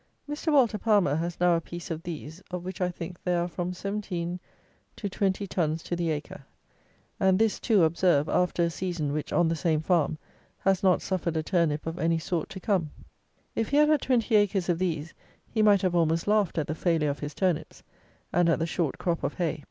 Mr. Walter Palmer has now a piece of these, of which I think there are from 17 to 20 tons to the acre; and this, too, observe, after a season which, on the same farm, has not suffered a turnip of any sort to come. If he had had 20 acres of these, he might have almost laughed at the failure of his turnips, and at the short crop of hay.